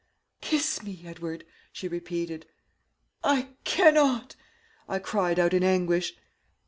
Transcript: "'Kiss me, Edward,' she repeated. "'I cannot,' I cried out in anguish.